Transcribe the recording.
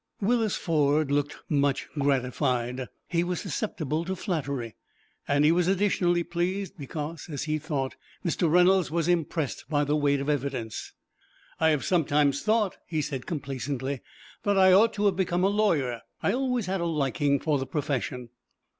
Willis Ford looked much gratified. He was susceptible to flattery, and he was additionally pleased, because, as he thought, Mr. Reynolds was impressed by the weight of evidence. "I have sometimes thought," he said, complacently, "that I ought to have become a lawyer. I always had a liking for the profession."